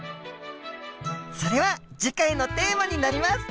それは次回のテーマになります！